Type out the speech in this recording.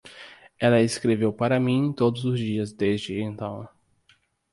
Ela escreveu para mim todos os dias desde então.